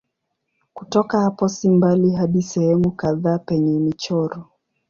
Kutoka hapo si mbali hadi sehemu kadhaa penye michoro.